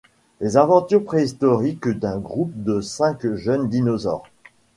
Les aventures préhistoriques d'un groupe de cinq jeunes dinosaures.